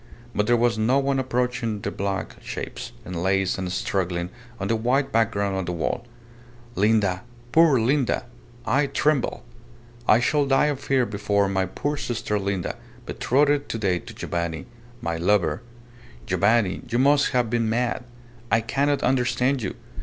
But there was no one approaching their black shapes, enlaced and struggling on the white background of the wall. "Linda! Poor Linda! I tremble! I shall die of fear before my poor sister Linda, betrothed to day to Giovanni my lover! Giovanni, you must have been mad! I cannot understand you!